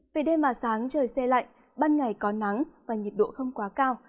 về đêm và sáng trời xe lạnh ban ngày có nắng và nhiệt độ không quá cao